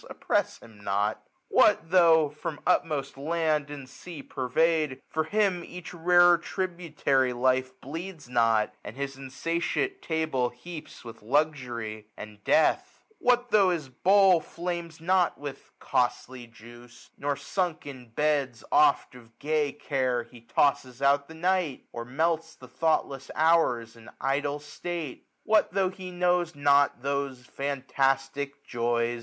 oppress him not ? What tho% from utmost land and sea purveyed. For him each rarer tributary life 1 245 Bleeds not, and his insatiate table heaps With luxury, and death ? What tho* his bowl Flames not with costly juice ; nor sunk in beds. i68 A tJ T U M N4 t' f '■■■':■:"■'■■■■..■== Oft of gay care, he tosses out the night. Or melts the thoughtless hours in idle state? 1250 What tho* he knows not those fantastic jdys.